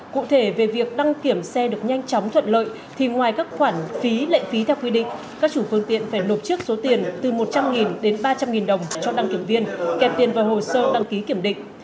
cụ thể về việc đăng kiểm xe được nhanh chóng thuận lợi thì ngoài các khoản phí lệ phí theo quy định các chủ phương tiện phải nộp trước số tiền từ một trăm linh đến ba trăm linh đồng cho đăng kiểm viên kèm tiền vào hồ sơ đăng ký kiểm định